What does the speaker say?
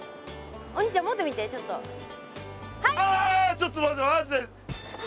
ちょっと待てマジで！